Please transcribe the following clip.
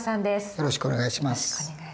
よろしくお願いします。